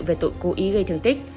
về tội cố ý gây thương tích